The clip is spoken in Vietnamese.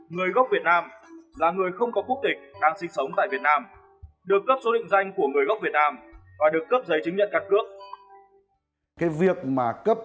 người gốc việt nam là người không có quốc tịch đang sinh sống tại việt nam